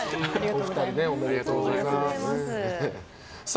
お二人、おめでとうございます。